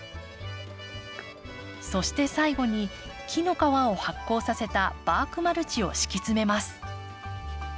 そして最後に木の皮を発酵させたバークマルチを敷き詰めます。